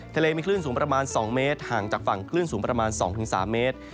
ทะเลมีคลื่นสูงประมาณ๒เมตรห่างจากฝั่งคลื่นสูงประมาณ๒๓เมตร